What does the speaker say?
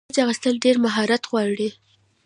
کېچ اخیستل ډېر مهارت غواړي.